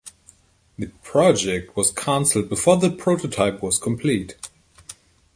The project was cancelled before the prototype was complete.